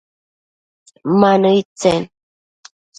Ma nëid tsen ?